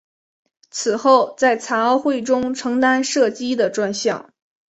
此后在残奥会中承担射击的专项。